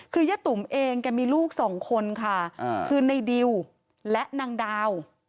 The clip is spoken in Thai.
คือยะตุ๋มเองแกมีลูกสองคนค่ะคือในดิวและนางดาว